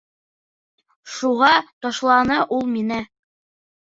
Шуға ташланы ул мине!